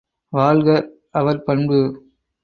வாழ்க அவர் பண்பு!